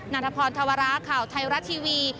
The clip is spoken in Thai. ันทพรธวระข่าวไทยรัฐทีวี